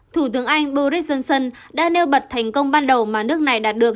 thủ tướng anh boris johnson đã nêu bật thành công ban đầu mà nước này đạt được